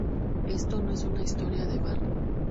Esto no es una historia de barrio.